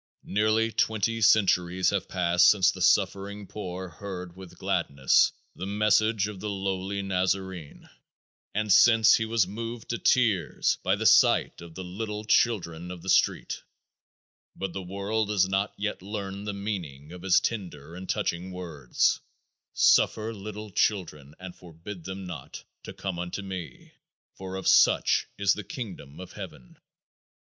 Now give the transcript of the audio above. Nearly twenty centuries have passed since the suffering poor heard with gladness the message of the Lowly Nazarene and since he was moved to tears by the sight of the little children of the street, but the world has not yet learned the meaning of his tender and touching words, "Suffer little children, and forbid them not, to come unto me; for of such is the kingdom of heaven."